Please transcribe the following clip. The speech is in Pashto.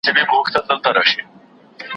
زه به لوښي وچولي وي؟